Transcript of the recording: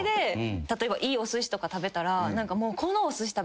例えばいいおすしとか食べたら。